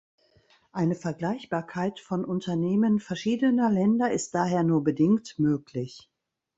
Eine Vergleichbarkeit von Unternehmen verschiedener Länder ist daher nur bedingt möglich.